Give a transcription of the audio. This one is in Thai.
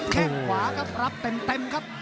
แค่งขวาครับรับเต็มครับ